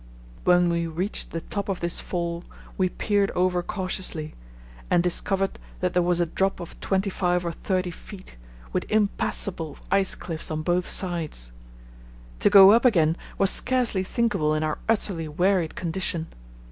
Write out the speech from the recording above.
When we reached the top of this fall we peered over cautiously and discovered that there was a drop of 25 or 30 ft., with impassable ice cliffs on both sides. To go up again was scarcely thinkable in our utterly wearied condition.